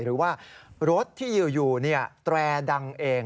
หรือว่ารถที่อยู่แตรดังเอง